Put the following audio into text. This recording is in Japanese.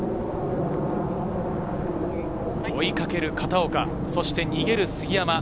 追いかける片岡、そして逃げる杉山。